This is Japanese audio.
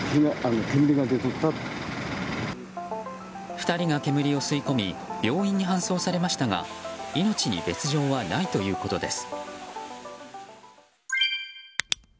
２人が煙を吸い込み病院に搬送されましたが命に別条はないということです。